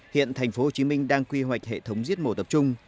hiện tp hcm đang quy hoạch hệ thống giết mổ tập trung